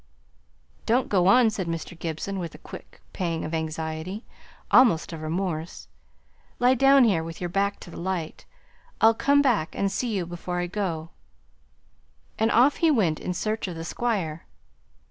"Don't go on," said Mr. Gibson, with a quick pang of anxiety, almost of remorse. "Lie down here with your back to the light. I'll come back and see you before I go." And off he went in search of the Squire.